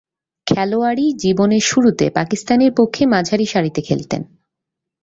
খেলোয়াড়ী জীবনের শুরুতে পাকিস্তানের পক্ষে মাঝারি সারিতে খেলতেন।